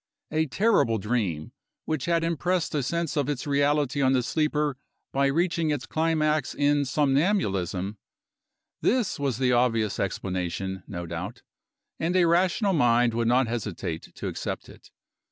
A terrible dream, which had impressed a sense of its reality on the sleeper by reaching its climax in somnambulism this was the obvious explanation, no doubt; and a rational mind would not hesitate to accept it.